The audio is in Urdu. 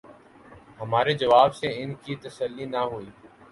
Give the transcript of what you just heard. ہمارے جواب سے ان کی تسلی نہ ہوئی۔